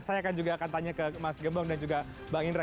saya akan juga akan tanya ke mas gembong dan juga bang indra